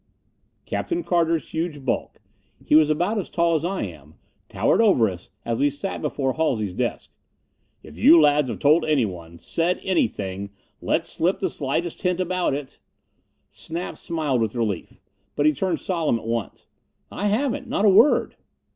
Captain Carter's huge bulk he was about as tall as I am towered over us as we sat before Halsey's desk. "If you lads have told anyone said anything let slip the slightest hint about it " Snap smiled with relief; but he turned solemn at once. "I haven't. Not a word!"